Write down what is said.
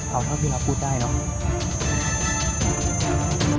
เอาเท่าที่เราพูดได้เนาะ